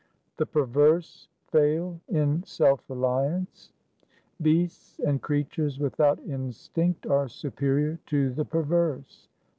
4 The perverse fail in self reliance :— Beasts and creatures without instinct are superior to the perverse.